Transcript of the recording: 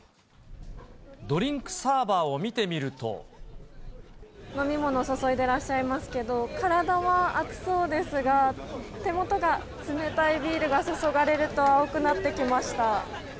ドリンクサーバーを見てみる飲み物を注いでらっしゃいますけど、体は暑そうですが、手元が、冷たいビールが注がれると、青くなってきました。